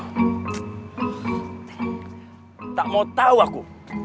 tidak mau tahu aku